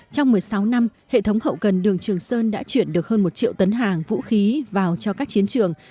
trong một mươi sáu năm hệ thống hậu cần đường trường sơn đã chuyển được hơn một triệu tấn hàng vũ khí vào cho các chiến trường